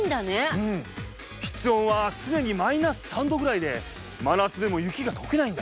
うん室温はつねにマイナス３度ぐらいで真夏でも雪がとけないんだ。